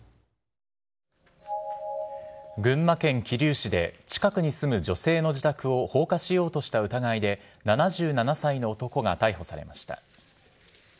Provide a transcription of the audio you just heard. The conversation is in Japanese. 群馬県桐生市で、近くに住む女性の自宅を放火しようとした疑いで、７７歳の男が逮捕されました。